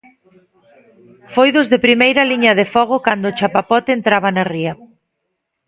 Foi dos de primeira liña de fogo cando o chapapote entraba na Ría.